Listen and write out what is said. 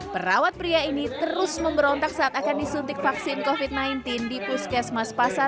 perawat pria ini terus memberontak saat akan disuntik vaksin covid sembilan belas di puskesmas pasar